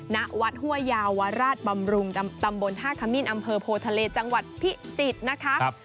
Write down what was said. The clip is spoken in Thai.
ณวัดห้วยยาวราชบำรุงตำบลท่าขมิ้นอำเภอโพทะเลจังหวัดพิจิตรนะคะ